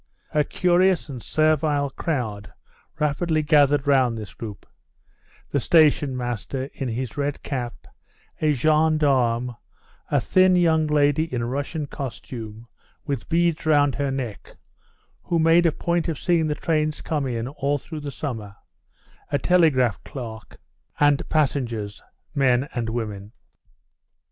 A curious and servile crowd rapidly gathered round this group the station master, in his red cap, a gendarme, a thin young lady in a Russian costume, with beads round her neck, who made a point of seeing the trains come in all through the summer, a telegraph clerk, and passengers, men and women.